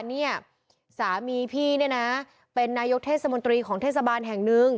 เนี่ยสามีพี่เนี่ยนะเป็นนายกเทศมนตรีของเทศบาลแห่งหนึ่ง